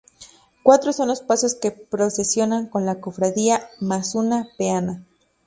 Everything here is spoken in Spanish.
Cuatro son los pasos que procesionan con la cofradía más una peana.